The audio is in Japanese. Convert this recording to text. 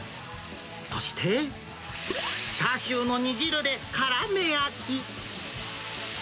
そして、チャーシューの煮汁でからめ焼き。